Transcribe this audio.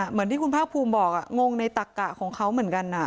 เหมือนที่คุณภาคภูมิบอกงงในตักกะของเขาเหมือนกัน